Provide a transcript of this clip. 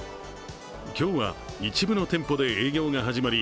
今日は一部の店舗で営業が始まり